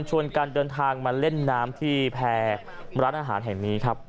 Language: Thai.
การเดินทางมาเล่นน้ำที่แพร่ร้านอาหารแห่งนี้ครับ